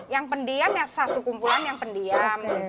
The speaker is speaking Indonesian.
yang pendiam yang satu kumpulan yang pendiam